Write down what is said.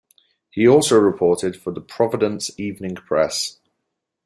He also reported for the "Providence Evening Press".